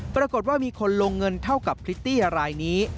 ปรากฏว่ามีคนลงเงินเท่ากับพริตตี้รายนี้